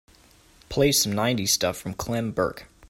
Play some nineties stuff from Clem Burke.